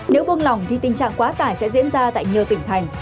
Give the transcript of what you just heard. nếu buông lỏng thì tình trạng quá tải sẽ diễn ra tại nhiều tỉnh thành